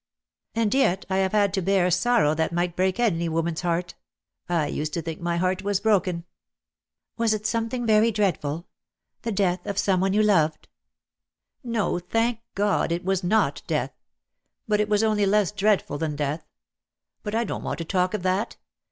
"And yet I have had to bear sorrow that might break any woman's heart. I used to think my heart was broken." "Was it something very dreadful? The death of someone you loved?" Dead Love has Chains. 3 34 DEAD LOVE HAS CHAINS. "No, thank God, it was not death. But it was only less dreadful than death. But I don't want to talk of that.